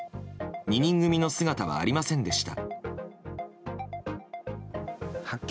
２人組の姿はありませんでした。